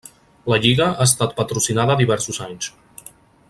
La lliga ha estat patrocinada diversos anys.